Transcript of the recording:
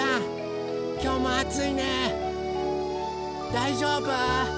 だいじょうぶ？